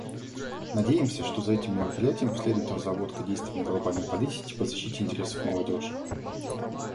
Надеемся, что за этим мероприятием последует разработка действенной глобальной политики по защите интересов молодежи.